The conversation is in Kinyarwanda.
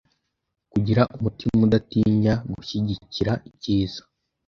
kugira umutima udatinya, gushyigikira icyiza